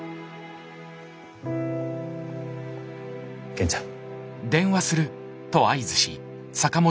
源ちゃん。